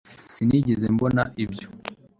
sinigeze mbona ibyo